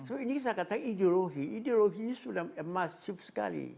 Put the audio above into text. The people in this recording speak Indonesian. ini bisa kita katakan ideologi ideologi ini sudah emasif sekali